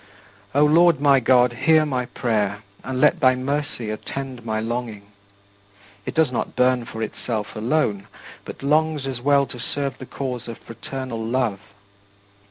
3. O Lord my God, hear my prayer and let thy mercy attend my longing. It does not burn for itself alone but longs as well to serve the cause of fraternal love.